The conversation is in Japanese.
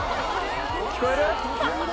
聞こえる？